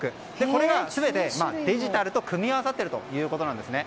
これが全てデジタルと組み合わさっているということなんですね。